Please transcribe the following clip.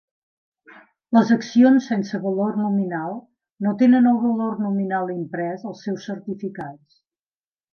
Les accions sense valor nominal no tenen el valor nominal imprès als seus certificats.